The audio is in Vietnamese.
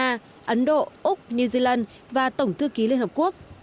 nga ấn độ úc new zealand và tổng thư ký liên hợp quốc